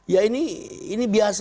ya ini biasa